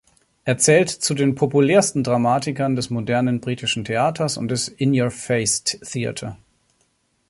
Er zählt zu den populärsten Dramatikern des modernen britischen Theaters und des In-Yer-Face Theatre.